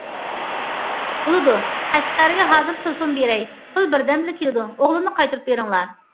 بولىدۇ، قەشقەرگە ھازىرلا تېلېفون بېرەي، پۇل بىردەمدىلا كېلىدۇ، ئوغلۇمنى قايتۇرۇپ بېرىڭلار!